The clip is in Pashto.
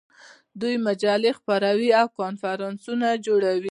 دوی مجلې خپروي او کنفرانسونه جوړوي.